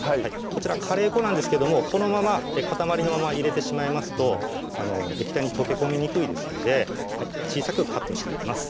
こちらカレー粉なんですけどもこのまま塊のまま入れてしまいますと液体に溶け込みにくいですので小さくカットしていきます